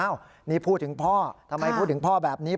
นี่พูดถึงพ่อทำไมพูดถึงพ่อแบบนี้